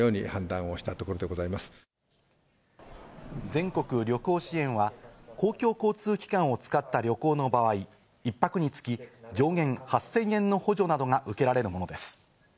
全国旅行支援は公共交通機関を使った旅行の場合、一泊につき上限８０００円の補助などが受けられるものです。